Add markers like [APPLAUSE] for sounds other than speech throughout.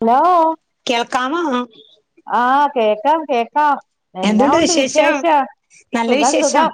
Hello കേൾക്കാമോ ആ കേക്കാം കേക്കാം എന്നാണ്ട് വിശേഷം നല്ല സുഖം വിശേഷം സുഖം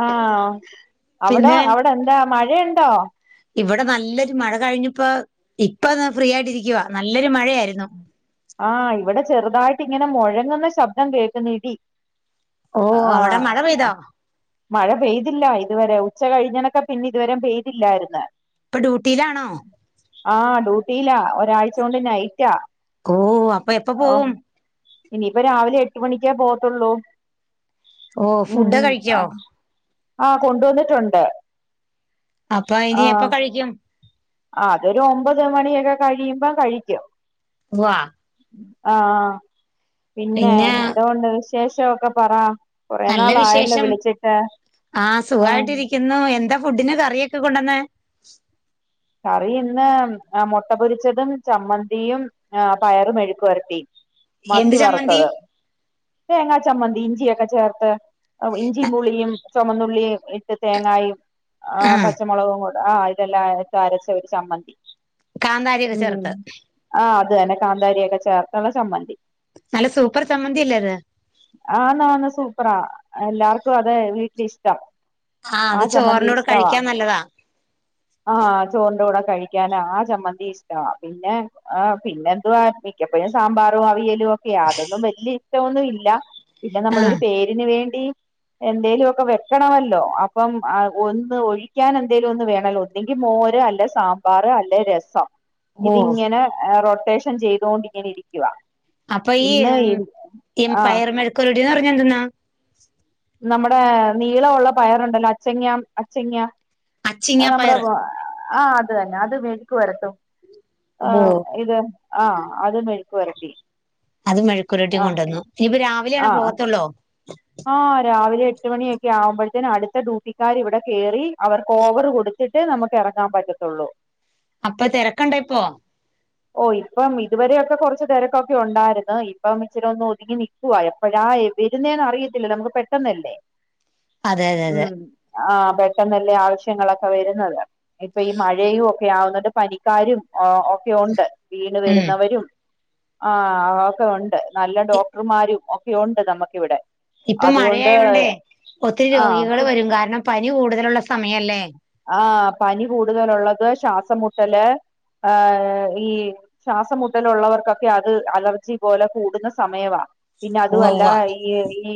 ആ അവിടൊ പിന്നെ അവിടെ എന്താ മഴയുണ്ടോ ഇവിടെ നല്ലൊരു മഴ കഴിഞ്ഞപ്പോ ഇപ്പൊ ഫ്രീ ആയിട്ടിരിക്വാ നല്ലൊരു മഴയായിരുന്നു ആഹ് ഇവിടെ ചെറുതായിട്ട് ഇങ്ങനെ മുഴങ്ങുന്ന ശബ്ദം കേൾക്കുന്നു ഇടി ഓ അവടെ ആഹ് മഴ പെയ്തൊ മഴ പെയ്തില്ല ഇതുവരെ ഉച്ച കഴിഞ്ഞനൊക്കെ പിന്നെ ഇതുവരെ പെയ്തില്ലായിരിന്ന് പ്പൊ ഡ്യൂട്ടിയിലാണോ ആഹ് ഡ്യൂട്ടിയില്ലാ ഒരാഴ്ച കൊണ്ട് നൈറ്റാ ഓ അപ്പൊ എപ്പൊ ഓഹ് പോവും ഇനിയിപ്പോ രാവിലെ എട്ട് മണിക്കേ പോവത്തള്ളൂ ഓ ഹ് ഫുഡ് ആ കഴിക്കോ ആ കൊണ്ടുവന്നിട്ടുണ്ട് അപ്പൊ അയിനി എപ്പൊ കഴിക്കും ആ അതൊരു ഒമ്പത് മണിയൊക്കെ കഴിയുമ്പോ കഴിക്കും വാ ആ പിന്നെ എന്തോ ഒണ്ട് വിശേഷവൊക്കെ പറ കൊറേ നല്ല നാളായല്ലോ വിശേഷം വിളിച്ചിട്ട് ആ ആഹ് സുഖായിട്ടിരിക്യുന്നു എന്താ ഫുഡിന് കറിയൊക്കെ കൊണ്ടന്നേ കറി ഇന്ന് മുട്ട പൊരിച്ചതും ചമ്മന്തിയും പയർ മെഴുക്ക് വരട്ടിയും മത്തി എന്ത് ചമ്മന്തി വറുത്തത് തേങ്ങാ ചമ്മന്തി ഇഞ്ചിയൊക്കെ ചേർത്ത് ഇഞ്ചിയും പുളിയും ചുമന്നുള്ളി ഇട്ട് തേങ്ങായും ആ പച്ചമുളകും കൂടെ ആ ഇതെല്ലാ ട്ടരച്ച ഒരു ചമ്മന്തി കാന്താരിയൊക്കെ ഉം ചേർത്ത് ആഹ് അത് കാന്താരിയൊക്കെ ചേർത്ത്ള്ള ചമ്മന്തി നല്ല സൂപ്പർ ചമ്മന്തി അല്ലെ അത് ആന്ന് ആന്ന് സൂപ്പറാ എല്ലാർക്കും അതെ വീട്ടില് ഇഷ്ടാ ആ അത് ചമ്മന്തി ചോറിനോട് ഇഷ്ടവ കഴിക്കാൻ നല്ലതാ ആ ത്തിന്റുടെ കഴിക്കാൻ ആ ചമ്മന്തി ഇഷ്ടാ പിന്നെ പിന്നെ എന്തുവാ മിക്കപ്പഴും സാമ്പാറും അവിയല് ലൊക്കെയാ അതൊന്നും വലിയ ഇഷ്ടന്നുല്ലാ പിന്നെ നമ്മളൊരു ആഹ് പേരിന് വേണ്ടി എന്തേലു ഒക്കെ വെക്കണമല്ലോ അപ്പം ആ ഒന്ന് ഒഴിക്കാൻ എന്തേലും ഒന്ന് വേണലൊ ഒന്നെങ്കിൽ മോ രു അല്ല സാമ്പാർ അല്ല രസൊ ഓ ഇതിങ്ങനെ റോറ്റേഷ ഷൻ ചെയ്തു കൊണ്ട് ഇങ്ങനെ ഇരിക്യാ അപ്പൊ ഈ ആഹ് പയർ മെഴുകുടിന് പറഞ്ഞ എന്തൊന്നാ നമ്മുടെ നീളഒള്ള പയറുണ്ടല്ലോ അച്ചിങ്ങ അച്ചിങ്ങ അച്ചിങ്ങ നമ്മടെ പയറ് ആ അത് അന്നെ അത് മെഴിക്ക് വരട്ടും ആ ഓ ഇത് ആ അത്‌ മെഴുക്ക് വരട്ടി അത് മെഴ്ക്കവരട്ടി കൊണ്ടുവന്നു ഇനി ഇപ്പോ രാവിലാണ ആ പോകത്തൊള്ളൂ ആ രാവിലെ എട്ട മണിയൊക്കെ ആുമ്പോഴത്തേും ആവുമ്പഴ്ത്തിന് അടുത്ത ഡ്യൂട്ടിക്കാർ ഇവടെ കേറി അവർകോഓവർ കൊടുത്തിട്ട് നമ്മക്ക് ഇറങ്ങാൻ പറ്റു ഒള്ളൂ അപ്പൊ തെരക്ക്ണ്ട ഇപ്പോ ഓ ഇപ്പം ഇതുവരെഒക്കെ കൊർച്ച് തെരക്കൊക്കെ ഒണ്ടായിര്ന്ന് ഇപ്പം ഇച്ചിരി ഒന്ന് ഒതുങ്ങി നിക്കുവാ എപ്പഴാ ആ വരുന്നെന്ന് അറിയത്തില്ലല്ലോ നമ്മക്ക് പെട്ടെന്നല്ലേ അതെ അതെ അതെ പെട്ടെന്ന്ള്ള ആവശ്യങ്ങളൊക്കെ വരുന്നത് ഇപ്പൊ ഈ മഴയും ഒക്കെ ആവുന്നുണ്ട് പനിക്കാരും ഓ ക്കെണ്ട് വീണ് ഉം വരുന്നവരും ആ ഒക്കെ ഉണ്ട് നല്ല ഇ- ഡോക്ടർമാരും ഒക്കെണ്ട് നമുക്കിവിടെ ഇപ്പൊ അതുകൊണ്ട് മഴയായോണ്ടേ ഒത്തിരി രോഗികൾ ആഹ് വരും കാരണം പനി കൂടുതലുള്ള സമയല്ലേ ആ പനി കൂടുതലുള്ളത് ശ്വാസമുട്ടല് ആ ഈ ശ്വാസംമുട്ടലുള്ളവർക്കൊക്കെ അത് അലർജി പോലെ കൂടുന്ന സമയവാ പിന്നെ ഉവ്വ അതുവല്ലാ ഉവ്വ ഈ ഈ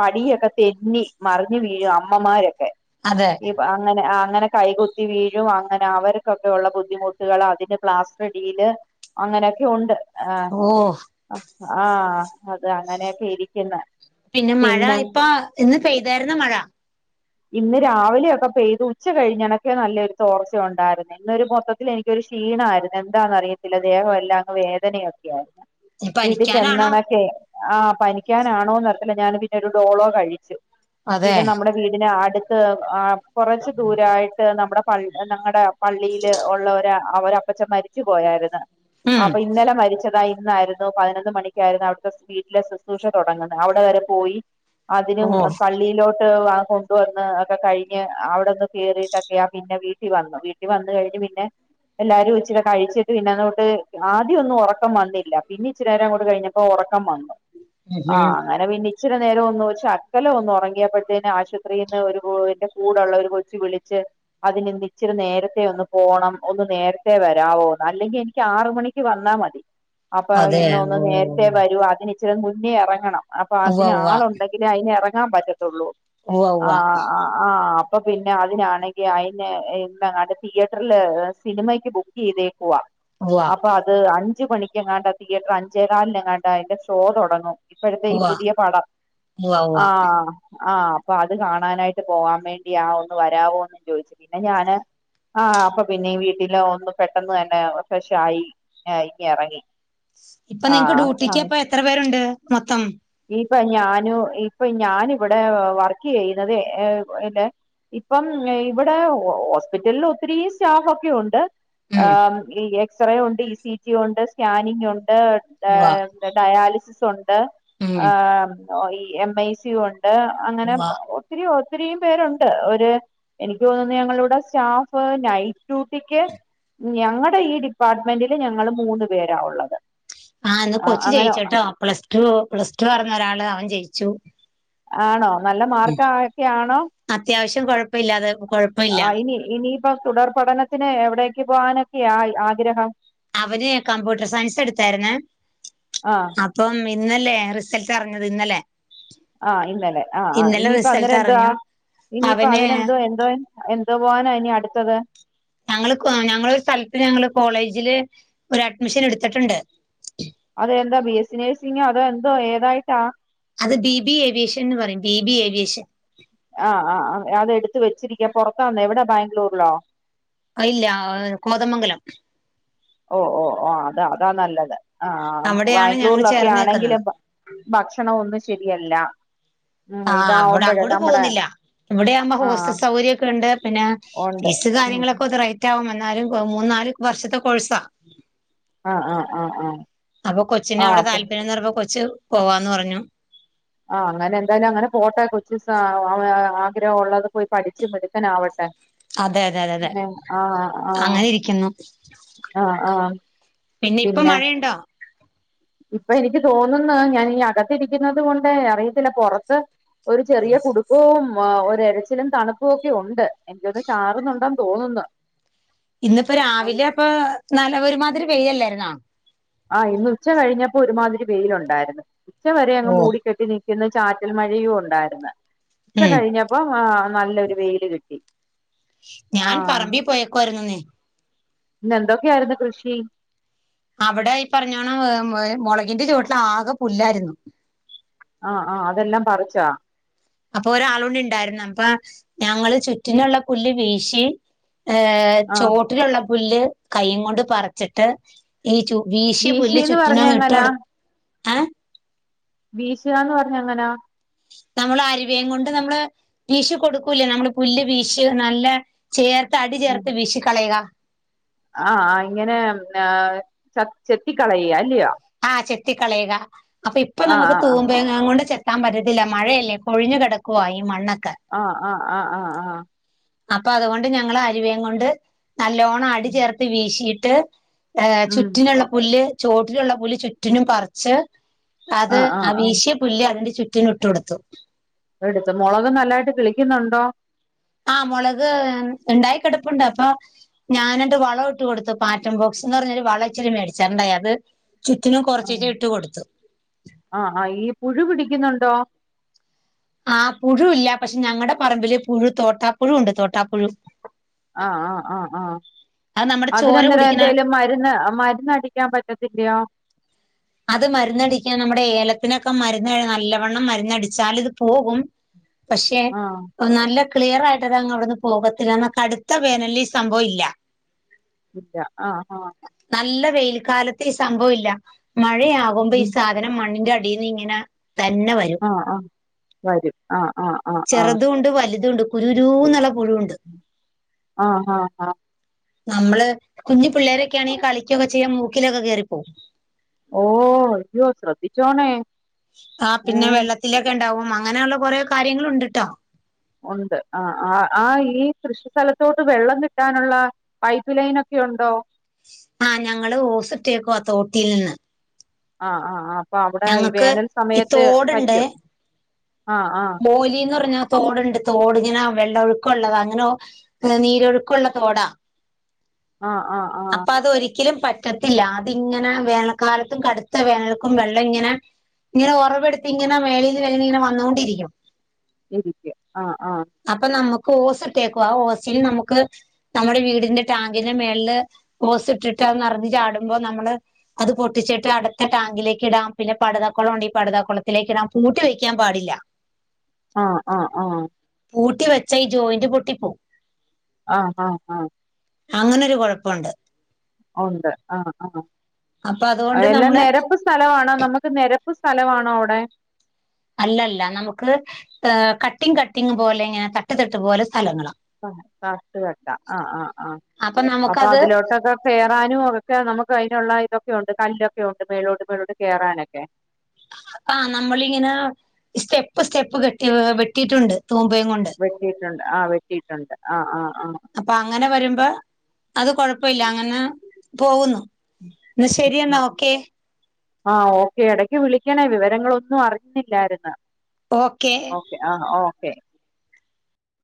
പടിയൊക്കെ തെഞ്ഞി മറിഞ് വീഴു അമ്മമാര് അതെ അങ്ങനെ കൈകുത്തി വീഴും അങ്ങനെ അവർക്കൊക്കെ ഉുള്ള ബുദ്ധിമുട്ടുകൾ അതിന്റെ പ്ലാസ്റ്ററിടിയില് അങ്ങനെയൊക്കെ ഉണ്ട്. ഓ. ആഹ് അത് അങ്ങനെയൊക്കെ ഇരിക്ക്ന്ന്. പിന്നെ മഴ ഇപ്പൊ ഇന്ന് പെയ്തായിര്ന്നോ മഴ? ഇന്ന് രാവിലെയൊക്കെ പെയ്തു ഉച്ച കഴിഞ്ഞണെക്കെ നല്ലൊരു തോർച്ച ഉണ്ടായിരുന്നു ഇന്നൊരു മൊത്തത്തിൽ എനിക്കൊരു ക്ഷീണമായിരുന്നു എന്താണെന്ന് അറിയ ത്തില്ല ദേഹമെല്ലാം അങ് വേദനയൊക്കെ ആയിരുന്നു. ഇനി വീട്ടിൽ പനിക്കാനാണോ ചെന്നണക്കെ ആ പനിക്കാനാണോന്നറി അല്ല ഞാൻ പിന്നെ ഒരു ഡോളോ കഴിച്ചു. അതെ പിന്നെ നമ്മുടെ വീടിന് അട്ത്ത് ആ കൊറച്ച് ദൂരായിട്ട് നമ്മുടെ പൾ ഞങ്ങടെ പള്ളീൽ ഒള്ള ഒര് ഒരപ്പച്ചൻ മരി ച്ച് പോയായിരുന്നു ഉം അപ്പൊ ഇന്നലെ മരിച്ചതായി ന്നായിരുന്നു പതിനൊന്നു മണിക്കായിരുന്നു അവിടുതെ വീട്ടിലെ ശുശ്രൂഷ തുടങ്ങുന്നത് അവിടെ വരെ പോയി ഓ അതിനും പള്ളിയിലോട്ട് വാ കൊണ്ടുവന്ന് ഒക്കെ കഴി അവിടൊന്ന് കേറിട്ടൊക്കെയാ പിന്നെ വീട്ടിൽ വന്നു വീട്ടിൽ വന്ന് കഴിഞ്ഞ് പിന്നെ എല്ലാരും ഇച്ചിരി കഴിച്ചിട്ട് പിന്നെ അങ്ങോട്ട് ആദ്യംന്നും ഉറക്കം വന്നില്ല പിന്ന ഇച്ചിരെ അങ്ങോട്ട് കഴിഞ്ഞപ്പോ ഒറ റക്കം വന്നു ഉം ആ ഉം. അങ്ങനെ പിന്നി ഇച്ചിരി നേരം ഒന്ന് ശക്കലംഒന്ന് ഉറങ്ങിയപ്പോഴത്തേന് ആശുപത്രിൽന്ന് ഒരു കൂടുള്ളൊര് കൊച്ചു വിളിച്ച് അതിനിന്ന് ഇച്ചിരി നേരത്തെ ഒന്ന് പോണം ഒന്ന് നേരത്തെ വരവോന്ന്? അല്ലെങ്കിൽ എനിക്ക് ആറ് മണിക്ക് വന്നാൽ മതി. അപ്പൊ അതെ ഇന്ന ഒന്ന് ഓ നേരത്തെേ വരൂ അതിന് ഇച്ചിരി മുന്നേ ഇറങ്ങണം. അപ്പൊ ഉവ്വ അതിന് ആളുണ്ടെങ്കിലേ അതിന് ഇറങ്ങാൻ പറ്റത്തൊള്ളൂ. ഉവ്വ് ഉവ്വ് ആ അപ്പൊ പിന്നെ അതിനാണെങ്കിൽ അയിന് എന്നങ്ങാട്ട് തിയേറ്ററിൽ സിനിമക്ക് ബുക്ക് ചെയ്തേക്കുവ. ഉവ്വ ഉവ്വ അപ്പൊ അത് അഞ്ച് മണിക്കെങ്ങാണ്ട് തിയേറ്റർ അഞ്ചേകലിനെങ്ങാണ്ട് അതിന്റെ ഷോ തുടങ്ങും ഇപ്പോഴത്തെ ഈ ഉവ്വ പുതിയ പടം ഉവ്വ ഉവ്വ ആഹ് ആഹ് അപ്പൊ അത് കാണാനായിട്ട് പോകാൻ വേണ്ടി ആ ഒന്ന് വരാവോന്ന് ചോദിച്ചു പിന്നെ ഞാൻ ആഹ് അപ്പൊ പിന്നെ വീട്ടിൽ ഒന്ന് പെട്ടെന്ന് തന്നെ ഫ്രഷായി ഇറങ്ങി. ഇപ്പൊ നിങ്ങക്ക് ആ ഡ്യൂട്ടിക്ക് അപ്പം എത്ര പേരുണ്ട് മൊത്തം? ഇപ്പം ഞാനു ഇപ്പൊ ഞാൻ ഇവിടെ വർക്ക് ചെയ്യുന്നത് എ ഏല്ലെ- ഇപ്പം ഇവിടെ ഹോസ്പിറ്റലിൽ ഒത്തിരി സ്റ്റാഫോക്കെ ഉണ്ട്. ആ ഉം എക്സ്റേ ഉണ്ട്, ഇസിജി ഉണ്ട്, സ്കാനിങ് ഉ. ഡാ ഉവ്വ ഡാ ഡയാലിസിസ് ഉണ്ട് ഉം അ് ഈ എം ഐ സ്യുണ്ട്. ണ്ട് അങ്ങനെ ഉവ്വ ഒത്തിരി ഒത്തിരിയും പേരുണ്ട് ഒരു എനിക്ക് തോന്നുന്നു ഞങ്ങളടെ സ്റ്റാഫ് നൈറ്റ് ഡ്യൂട്ടിക്ക് ഞങ്ങളുടെ ഈ ഡിപ്പാർട്ട്മെന്റിൽ ഞങ്ങൾ മൂന്ന് പേരാഉള്ളത്. ആ ഇന്ന് കൊച്ചു ജയിച്ചുട്ടോ പ്ലസ് ടു പ്ലസ് ടുവാറ്ന്ന് ഒരാള് അവൻ ജയിച്ചു. ആണോ നല്ല മാർക്ക് ആ ഒക്കെ ആണോ? ട്ടും കുഴപ്പ ഇില്ലാതെ കൊയപ്പില്ല. ഇപ്പൊ തുടർ പഠനത്തിന് എവിടേക്ക് പോകാനൊക്കെയാ ആഗ്രഹം. അവന് കമ്പ്യൂട്ടർ സയൻസ് എടുത്തായിരുന്ന് ആ അപ്പം ഇന്നല്ലേ റിസൾട്ട് അറിഞ്ഞത്? ഇന്നല്ലെ ആഹ് ഇന്നലെ ആഹ ആ് ഇനിയിപ്പോ റിസൾട്ട് അന്നേരം എന്തുവാ? അറിഞ്ഞു ഇനിയിപ്പോ അവന് അതിനെന്തോ എന്തോ എന്തോ പോവാനാ ഇനി അടുത്തത്. ഞങ്ങൾക് ഞങ്ങളരു സ്ഥലത്ത് ഞങ്ങള് കോളേജിൽ ഒരു അഡ്മിഷൻ എടുത്തിട്ടുണ്ട്. അത് എന്താ ബി എസ് സി നേഴ്സിങ്ങോ? അതോ എന്തോ ഏതായിട്ടാ? അത് ബി ബി ഏവിയേഷൻ എന്ന് പറയും. B B aviation. ആ ആ ആ, അത് എടുത്ത് വെച്ചിരിക്ക പൊറതാന്നോ എവിടാ ബാംഗ്ലൂരിലോ? ഇല്ല കോതമംഗലം. ഓ ഓ ഓ അതാ അതാ നല്ലത്. ആഹ അവിടെയാണ് ഞങ്ങൾ ബാംഗ്ലൂരിലൊക്കെ ആണെങ്കിൽ ചേർന്നേക്കുന്നത് ഭക്ഷണം ഒന്നും ശരിയല്ല. ഉം ആ അവടെ ഇതാവുമ്പോഴേ അങ്ങോട്ട് നമ്മുടെ പോകുന്നില്ല ഇവിടെയാവുമ്പോ ആ ഹോസ്റ്റൽ സൗകര്യൊക്കെ ഉണ്ട് പിന്നെ ഉണ്ട് വി ഉം ഉം. കാര്യങ്ങളൊക്കെ ഒന്ന് റൈറ്റ് ആക വന്നാലും മൂന്ന നാല് വർഷത്തെ കോൾസാ. ആ ആ ആ അപ്പൊ കൊച്ചിനെ ആ അവിടെ ആ താല്പര്യംന്ന്റുമ്പോ കൊച്ച് പോവാന്ന് പറഞ്ഞു. ആ അങ്ങനെ എന്തായാലും അങ്ങനെ പോട്ടെ കൊച്ചു സാ അവ ആഗ്രഹം ഉള്ളത് പോയി പഠിച്ച് മിടുക്കനാവട്ടെ. അതെ അതെ അതെ അതെ-തെ പിന്നെ ആ ആ അങ്ങനെ ഇരിക്കുന്നു. ആ ആ പിന്നെ ഇപ്പൊ മഴയുണ്ടോ? ഇപ്പൊ എനിക്ക് തോന്നുന്ന് ഞാൻ ഈ അകത്തിരിക്കുന്നത് കൊണ്ട് അറിയത്തില്ല പൊറത്ത് ഒരു ചെറിയ കുടുക്കഉം ആ ഒരയ്ച്ചിലും തണുപ്പും ഒക്കെ ഉണ്ട് എനിക്കൊന്ന് ചാറുന്നുണ്ടന്ന് തോന്നുന്നു. ഇന്നിപ്പോ ആ രാവിലെ പ്പൊ നല്ല ഒരുമാതിരി വെയില്ലായിരുന്നോ ആഹ് ഇന്ന് ഉച്ച കഴിഞ്ഞപ്പൊ ഒരുമാതിരി വെയിലുണ്ടായിരുന്ന് ഉച്ച വരെ അങ്ങ് ഓ മൂടിക്കെട്ടി നി ഇന്ന് ചാറ്റൽ മഴയും ഉണ്ടായിര്ന്ന് കുറച്ച് ഉം കഴിഞ്ഞപ്പോ നല്ലൊരു വെയില് കിട്ടി. ആ ഞാൻ പറമ്പിൽ പോയേകായിരുന്നുന്നേ ഇന്ന് എന്തൊക്കെയായിരുന്നു കൃഷി അവിടെഈ പറഞ്ഞോണം മ്മ് മുളകിന്റെ ചുവട്ടില് ആകെ പുല്ലായിരുന്നു. ആ ആ അതെല്ലാം പറിച്ചാ? അപ്പൊ ഒരാള്ളൂടി ഇണ്ടായിര്ന്നു അപ്പൊ ഞങ്ങള് ചുറ്റിനുള്ള പുല്ല് വീശി ഏഹ ആഹ് ചോട്ടിലുള്ള പുല്ല് കൈ കൊണ്ട് പറിച്ചിട്ട് ഈ ചു വീശിയ പുല്ല് വീശീന്ന് പറഞ്ഞ ചുറ്റിനും ഇട്ട് എ [UNINTELLIGIBLE] ഭീശിഅ പറഞ്ഞ അങ്ങനാ? നമ്മൾ അരുവേയും കൊണ്ട് നമ്മള് വീശി കൊടുക്കൂലെ നമ്മള് പുല്ല് വിശി നല്ല ചേർ തടി ആഹ് ചേർത്ത് വീശി കളയുക. ആഹ് ഇങ്ങനെ ച ചെത്തിക്കളയ അല്ലയോ? കത്തി കളയുക അപ്പൊ ഇപ്പൊ ആഹ് നമുക്ക് ആഹ് തൂമ്പയെനാ കൊണ്ട് [UNINTELLIGIBLE] പറ്റത്തില്ല മഴയല്ലേ കൊഴിഞ്ഞു കിടക്കുവാ ഈ മണ്ണ്. ആ-ആ-ആ-ആ-ആ അപ്പൊ അതുകൊണ്ട് ഞങ്ങള് അരുവേയും കൊണ്ട് നല്ലോണം അടി ചേർത്ത് വീശീട്ട് ഏ് ഉം ചുറ്റിനുള്ള പുല്ല് ചോട്ടിലുള്ള പുല്ല് ചുറ്റിനും പറിച്ച് അത് ആഹ് ആ ആഹ് ആഹ് വീശിയ പുല് അതിന്റെ ചുറ്റിനും ഇട്ട് കൊടുത്തു. എടുത്ത മുളക് നല്ലായിട്ട് കി ളിക്കുന്നുണ്ടോ ആ മുളക് ഇണ്ടായി കെടപ്പുണ്ട് അപ്പൊ ഞാനത് വളൊഇട്ട് കൊടുത്ത് പാറ്റം ബോക്സ് ന്ന് പറഞ്ഞരു വളച്ചിരി മേടിച്ച്ണ്ടായി അത് ചുറ്റിനും ആഹ് കൊറച്ചിചെ ഇട്ട് കൊടുത്തു. ആഹ് ആഹ് ഈ പുഴു പിടിക്കുന്നുണ്ടോ ആ പുഴു ഇല്ല, പക്ഷെ ഞങ്ങടെ പറമ്പില് പുഴു തോട്ടാപ്പുഴു ഉണ്ട് തോട്ടാപ്പുഴു അ- ആ-ആ- ആ അത് നമ്മുടെ ചോര അതിനെന്തേര കുടിക്കണ എന്തേലും മരുന്ന് മരന്നടിക്കാൻ പറ്റത്തില്ലയോ? അത് മരുന്നടിക്കാൻ നമ്മുടെ ഏലത്തിനൊക്കെ മരുന്ന് നല്ലവണ്ണം മരുന്നടിച്ചാൽ ഇത് പോകും, പക്ഷെ ആഹ് നല്ല ക്ലിയർ ആയിട്ട് അതങ്ങ് അവിടുന്ന് പോകത്തില്ലന്ന കടുത്ത വേനലിൽ ഈ സംഭവം ഇല്ല. ഇല്ല ആ ഹാ നല്ല വെയിൽക്കാലത്ത് ഈ സംഭവ ഇല്ല മഴയാകുമ്പോ ഈ ഉം സാധനം മണ്ണിന്റെ അടീന്ന് ഇങ്ങനെ തന്നെ വരും ആഹ് ആഹ് വരും ആഹ് ആഹ് ആഹ് ആഹ് ചെറുതൂണ്ട് വലുതൂണ്ട് ഒരു രൂ ന്ന്ള്ള [UNINTELLIGIBLE] ആഹ ആഹ് ഹഹ്, നമ്മള് കുഞ്ഞു പിള്ളേരൊക്കൊണെങ്കി കളിക്കൊക്കെ ചെയ്യാ [UNINTELLIGIBLE] മൂക്കിലൊക്കെ കയറിപ്പോകും. ഓ ഇയ്യോ ശ്രദ്ധിച്ചോണേ.. ആ പിന്നെ ഏഹ് വെള്ളത്തിലൊക്കെ ഇണ്ടാവും അങ്ങനെയുള്ള കൊറെ കാര്യാങ്ങളുംഉണ്ട്ട്ടാ ഉണ്ട് ആ ആ ആ ഈ കൃഷി സ്ഥലത്തോട്ട് വെള്ളം കിട്ടാനുള്ള പൈപ്പ് ലൈനൊക്കെ ഉണ്ടോ ആഹ് ഞങ്ങള് ഓസിട്ടേക്കുവാ തോട്ടിൽ നിന്ന് ആഹ് ആഹ് അപ്പൊ അവടെ ഈ ഞങ്ങക്ക് വേനൽ ഈ സമയത്ത് വറ്റും ബോലിന്നറഞ്ഞ തോടുണ്ട് തോടിങ്ങനാ വെള്ളം ഒഴുക്കള്ളതാ അങ്ങനൊ നീരൊഴുക്കുള്ള തോടാ ആഹ് ആഹ് ആഹ് അപ്പൊ അത് ഒരിക്കലും വറ്റത്തില്ല അതിങ്ങനെ വേനൽക്കാലത്തും കടുത്ത വേനൽക്കും വെള്ളം ഇങ്ങനെ ഇങ്ങനെ ഉറവടുത്തിങ്ങന മേളിൽ മേളീന്ന്ങ്ങനെ വന്നോണ്ടിരിക്കും ഇരിക്കും ആഹ് ആഹ് അപ്പൊ നമുക്ക് ഓസ് ഇട്ടേക്കുവാ ആ ഓസില് നമുക്ക് നമ്മുടെ വീടിന്റെ ടാങ്കിന്റെ മേള്ല് ഓസ് ഇട്ടിട്ട് നിറഞ്ഞ് ചാടുമ്പോ നമ്മള് അത് പൊട്ടിച്ചിട്ട് അടുത്ത ടാങ്കിലേക്ക് ഇടാം പിന്നെ പടതക്കുളംണ്ട് ഈ പടുത കുളത്തിലേക്കിടാം പൂട്ടി വെക്കാൻ പാടില്ല ആഹ് ആഹ് ആഹ് പൂട്ടി വെച്ച ഈ ജോയിന്റ് പൊട്ടി പോ ആഹ് ആഹ് ആഹ് അങ്ങനെൊരു കൊഴപ്പുണ്ട് ഉണ്ട് ആ അപ്പൊ ആ അതുകൊണ്ട് എല്ലാം നമ്മള് നിരപ്പ് സ്ഥലമാണോ നമുക്ക് നിര പ്പ് സ്ഥലമാണോ അവിടെ? അല്ലല്ല നമുക്ക് കട്ടിങ് കട്ടിങ് പോലെ ഇങ്ങനെ തട്ട് തട്ട് പോലെ സ്ഥലങ്ങളാ ആ തട്ടുതട്ടാ ആഹ് ആഹ് ആഹ് അപ്പൊ അതിലോട്ടൊക്കെ കയറാനും ഒക്കെ നമുക്ക് അയ്നുള്ള ഇതൊക്കെ ക്കെ ഉണ്ട് കല്ലൊക്കെ ഉണ്ട് മേളോട്ട് മേളോട്ട് കേറാനൊക്കെ? ആഹ് നമ്മളിങ്ങനെ സ്റ്റെപ്പ് സ്റ്റെപ്പ് കെട്ടി വെട്ടിയിട്ടുണ്ട് തൂമ്പയും കൊണ്ട് വെട്ടിട്ടുണ്ട് ആ വെട്ടിട്ടുണ്ട് ആഹ് ആ ആഹ് അപ്പ അത് കുഴപ്പില്ല അങ്ങനെ പോകുന്നു ന്ന ശരിയെന്നാ ഓക്കെ ആഹ് ഓക്കെ ഇടക്ക് വിളിക്കണേ വിവരങ്ങളൊന്നും അറിഞ്ഞില്ലായിര്ന്ന് ഓക്കെ ആഹ് ഓക്കെ